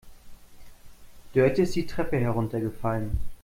Dörte ist die Treppe heruntergefallen.